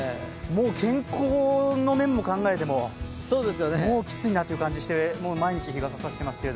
健康の面を考えてももうきついなという感じがして毎日、日傘を差しています。